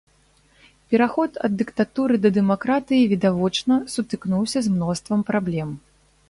Пераход ад дыктатуры да дэмакратыі, відавочна, сутыкнуўся з мноствам праблем.